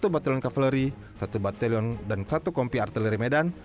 satu batalion kavaleri satu batalion dan satu kompi artileri medan